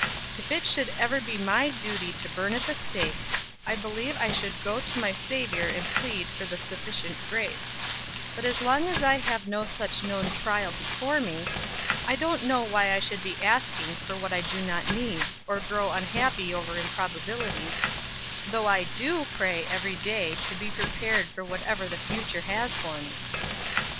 If it should ever be my duty to burn at the stake, I believe I should go to my Savior and plead for the 'sufficient grace;' but as long as I have no such known trial before me, I don't know why I should be asking for what I do not need, or grow unhappy over improbabilities, though I do pray every day to be prepared for whatever the future has for me."